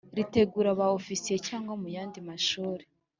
ritegura ba Ofisiye cyangwa mu yandi mashuri